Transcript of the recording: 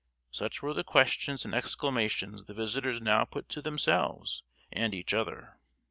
Such were the questions and exclamations the visitors now put to themselves and each other.